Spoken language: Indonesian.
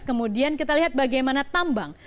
kemudian kita lihat bagaimana tambang